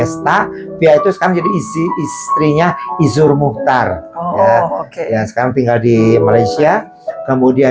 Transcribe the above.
fiesta via itu sekarang jadi isi istrinya isur muhtar ya sekarang tinggal di malaysia kemudian